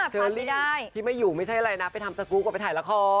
เชอรี่ที่ไม่อยู่ไม่ใช่อะไรนะไปทำสกรูปว่าไปถ่ายละคร